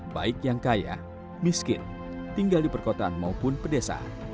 baik yang kaya miskin tinggal di perkotaan maupun pedesa